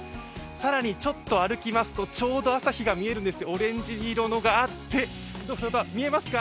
更に、ちょっと歩きますと、ちょうど朝日が見えるんですがオレンジ色のがあって、見えますか？